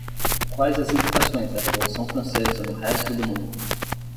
Quais as implicações da Revolução Francesa no resto do mundo?